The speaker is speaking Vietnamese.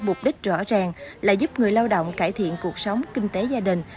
mục đích rõ ràng là giúp người lao động cải thiện cuộc sống kinh tế gia đình